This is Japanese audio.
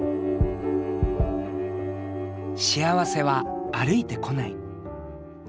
幸せは歩いてこない。